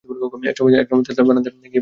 এক সময় তেতলার বারান্দায় গিয়ে বসে।